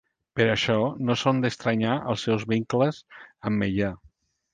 Per això no són d'estranyar els seus vincles amb Meià.